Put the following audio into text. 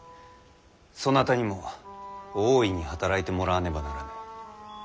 そなたにも大いに働いてもらわねばならぬ。